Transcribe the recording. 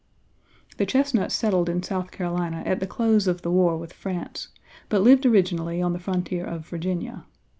The Chesnuts settled in South Carolina at the close of the war with France, but lived originally on the frontier of Virginia.